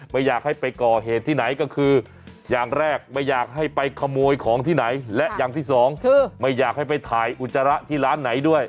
ไม่อยากให้ไปก่อเหตุที่ไหนก็คืออย่างแรกไม่อยากให้ไปขโมยของที่ไหนและอย่างที่สองคือไม่อยากให้ไปถ่ายอุจจาระที่ร้านไหนด้วย